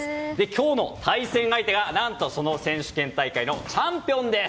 今日の対戦相手が何とその選手権大会のチャンピオンです。